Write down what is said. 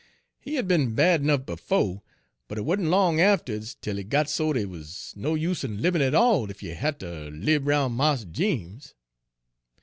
He had be'n bad 'nuff befo', but it wa'n't long atterwa'ds 'tel he got so dey wuz no use in libbin' at all ef you ha' ter lib roun' Mars Jeems.